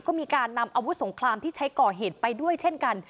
ก็มีการนำอาวุธสงครามที่ใช้ก่อเหตุไปด้วยเช่นกัน